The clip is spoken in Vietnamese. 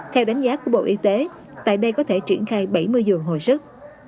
theo đánh giá của bộ y tế tại đây có thể triển khai bảy mươi giường hồi sức